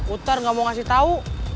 utar gak mau ngasih tau